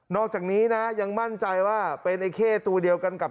อกจากนี้นะยังมั่นใจว่าเป็นไอ้เข้ตัวเดียวกันกับ